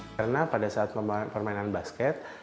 karena pada saat permainan basket